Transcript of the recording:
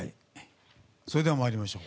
それでは、参りましょう。